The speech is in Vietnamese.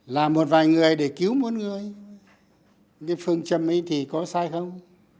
làm một vài người để cứu một người cái phương chấm ấy thì có sai không